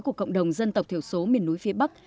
của cộng đồng dân tộc thiểu số miền núi phía bắc